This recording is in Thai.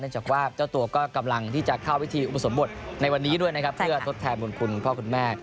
จากว่าเจ้าตัวก็กำลังที่จะเข้าวิธีอุปสมบทในวันนี้ด้วยนะครับเพื่อทดแทนบุญคุณพ่อคุณแม่